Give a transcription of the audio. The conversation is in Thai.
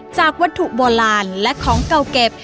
จากวัตถุโบราณและของเก่าเก็บ